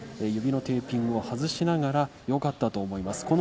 右のテーピングを外しながらよかったと思います